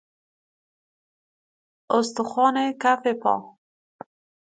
استخوان کف پا